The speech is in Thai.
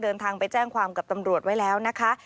เดินทางไปแจ้งความกับตำรวจไว้แล้วนะคะ